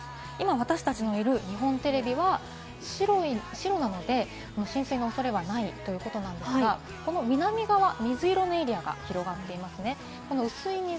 私達のいる日本テレビは白なので、浸水のおそれはないということなんですが、南側、水色のエリアが広がっていますね。